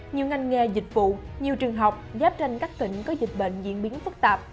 nhiều ngành nghề dịch vụ nhiều trường học giáp tranh các tỉnh có dịch bệnh diễn biến phức tạp